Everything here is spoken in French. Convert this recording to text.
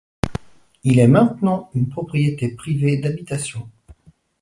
Il est maintenant une propriété privée d'habitation.